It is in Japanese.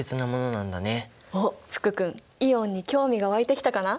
おっ福君イオンに興味が湧いてきたかな？